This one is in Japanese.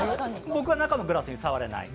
僕は中のグラスに触れない。